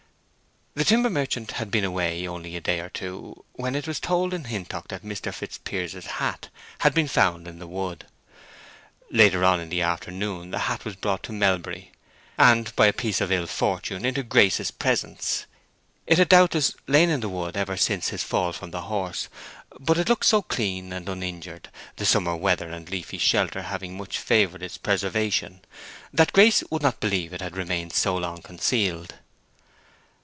The timber merchant had been away only a day or two when it was told in Hintock that Mr. Fitzpiers's hat had been found in the wood. Later on in the afternoon the hat was brought to Melbury, and, by a piece of ill fortune, into Grace's presence. It had doubtless lain in the wood ever since his fall from the horse, but it looked so clean and uninjured—the summer weather and leafy shelter having much favored its preservation—that Grace could not believe it had remained so long concealed.